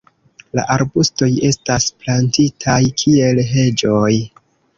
La arbustoj estas plantitaj kiel heĝoj.